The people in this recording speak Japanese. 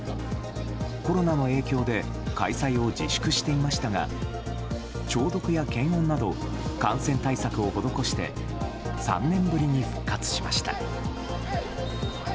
コロナの影響で開催を自粛していましたが消毒や検温など感染対策を施して３年ぶりに復活しました。